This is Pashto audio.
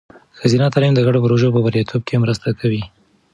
ښځینه تعلیم د ګډو پروژو په بریالیتوب کې مرسته کوي.